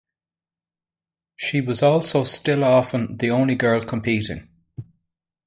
She was also still often the only girl competing.